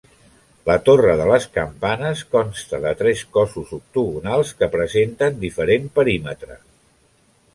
La torre de les campanes consta de tres cossos octogonals, que presenten diferent perímetre.